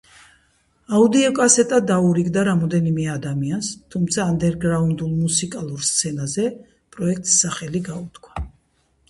აუდიოკასეტა დაურიგდა რამდენიმე ადამიანს, თუმცა ანდერგრაუნდულ მუსიკალურ სცენაზე პროექტს სახელი გაუთქვა.